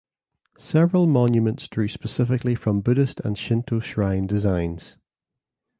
Several monuments drew specifically from Buddhist and Shinto shrine designs.